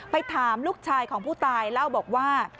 ไปถามลูกชายของผู้ตายเล่าบอกว่า